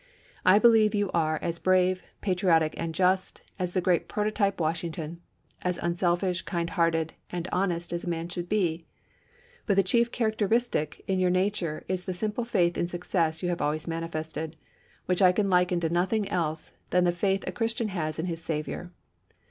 .. I believe you are as brave, patriotic, and just as the great prototype Washington ; as unselfish, kindhearted, and honest as a man should be ; but the chief characteristic in your nature is the simple faith in success you have always manifested, which I can liken to nothing else than the faith a Christian has in his Saviour.